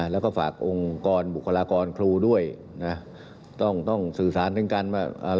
แล้วก็ฝากองค์กรบุคลากรครูด้วยนะต้องต้องสื่อสารถึงการว่า